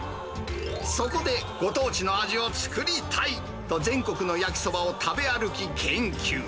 そこで、ご当地の味を作りたいと、全国の焼きそばを食べ歩き、研究。